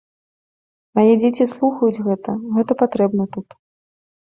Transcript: Мае дзеці слухаюць гэта, гэта патрэбна тут.